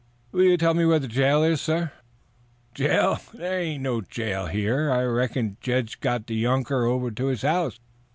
"Will you tell me where the jail is?" "Jail? There ain't no jail here. I reckon Jed's got the younker over to his house.